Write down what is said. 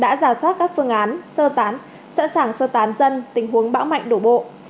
đã giả soát các phương án sơ tán sẵn sàng sơ tán dân tình huống bão mạnh đổ bộ